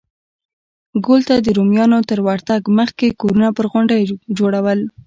ګول ته د رومیانو تر ورتګ مخکې کورونه پر غونډیو جوړول